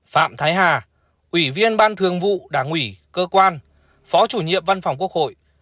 phạm thái hà ủy viên ban thường vụ đảng ủy cơ quan phó chủ nhiệm văn phòng quốc hội